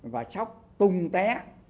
và sóc tung té